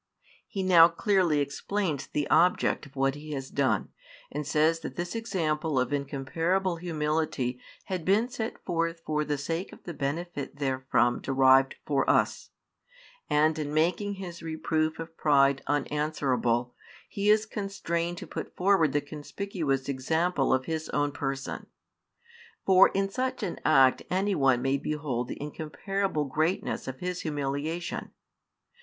He now clearly explains the object of what He has done, and says that this example of incomparable humility had been set forth for the sake of the benefit therefrom derived for us: and in making His reproof of pride unanswerable, He is constrained to put forward the conspicuous example of His Own Person. For in such an act anyone may behold the incomparable greatness of His humiliation.